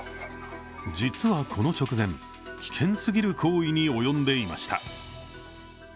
実はこの直前、危険すぎる行為に及んでいました。